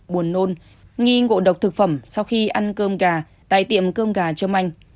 buồn nôn nghi ngộ độc thực phẩm sau khi ăn cơm gà tại tiệm cơm gà trơm anh